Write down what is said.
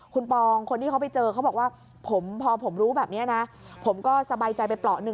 คุณปองคนที่เขาไปเจอเขาบอกว่าผมพอผมรู้แบบนี้นะผมก็สบายใจไปเปราะหนึ่ง